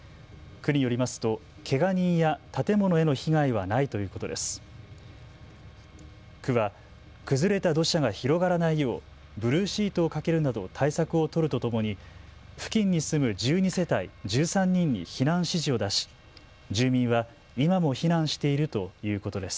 区によりますとけが人や建物への被害はないということです。